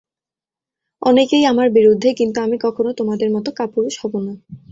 অনেকেই আমার বিরুদ্ধে, কিন্তু আমি কখনও তোমাদের মত কাপুরুষ হব না।